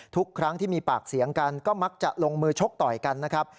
ทุกครั้งที่มีปากเสียงกันก็มักจะลงมือชกต่อยกันนะครับ